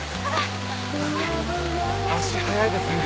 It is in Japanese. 足速いですね。